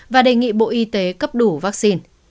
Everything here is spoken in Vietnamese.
và đề nghị bộ y tế cấp đủ vaccine